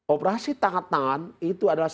operasi tangkap tangan itu adalah